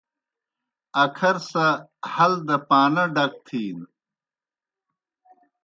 اکھر سہ ہل دہ پانہ ڈک تِھینوْ۔